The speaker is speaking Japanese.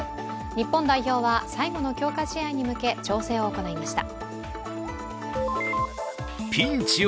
日本代表は最後の強化試合に向け調整を行いました。